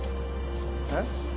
えっ？